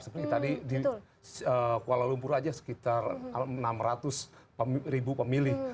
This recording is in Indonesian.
seperti tadi di kuala lumpur saja sekitar enam ratus ribu pemilih